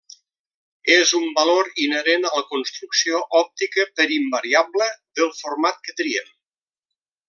És un valor inherent a la construcció òptica per invariable del format que triem.